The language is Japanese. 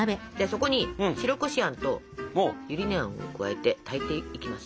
そこに白こしあんとゆり根あんを加えて炊いていきます。